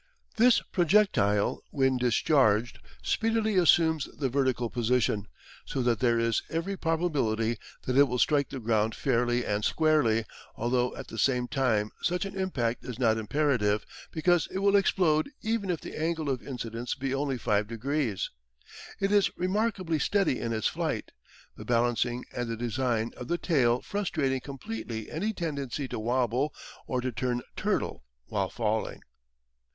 This projectile, when discharged, speedily assumes the vertical position, so that there is every probability that it will strike the ground fairly and squarely, although at the same time such an impact is not imperative, because it will explode even if the angle of incidence be only 5 degrees. It is remarkably steady in its flight, the balancing and the design of the tail frustrating completely any tendency to wobble or to turn turtle while falling.